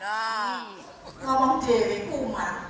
kamu jadi kuman